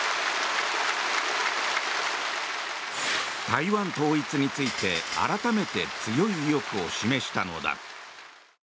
台湾統一について改めて強い意欲を示したのだ。